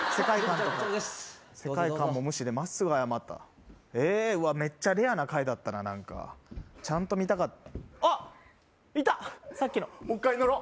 どうぞどうぞ世界観も無視でまっすぐ謝ったメッチャレアな回だったな何かちゃんと見たかっあっいたさっきのもう一回乗ろう